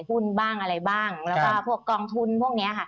หุ้นบ้างอะไรบ้างแล้วก็พวกกองทุนพวกนี้ค่ะ